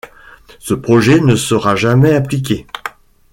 Ce projet ne sera jamais appliqué.